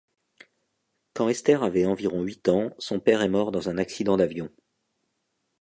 Quand Esther avait environ huit ans, son père est mort dans un accident d'avion.